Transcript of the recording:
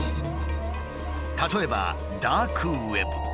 例えばダークウェブ。